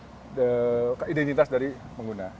terlindung identitas dari pengguna